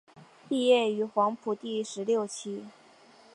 毕业于黄埔第十六期。